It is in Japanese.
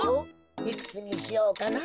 いくつにしようかな。